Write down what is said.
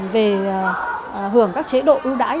về hưởng các chế độ ưu đãi